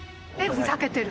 ふざけてる。